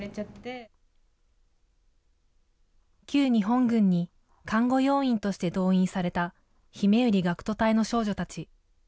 旧日本軍に看護要員として動員されたひめゆり学徒隊の少女たち。